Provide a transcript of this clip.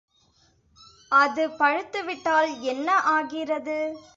அது பழுத்துவிட்டால் என்ன ஆகிறது?